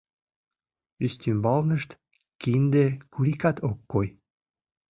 Ӱстембалнышт кинде курикат ок кой.